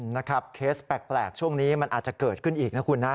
นะครับเคสแปลกช่วงนี้มันอาจจะเกิดขึ้นอีกนะคุณนะ